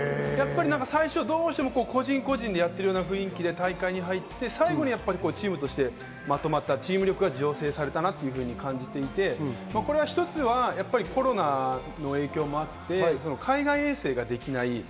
最初、どうしても個人個人でやってるような雰囲気で大会に入って最後、チームとしてまとまったチーム力が発揮されたなと感じていて、一つはコロナの影響もあって海外遠征ができない。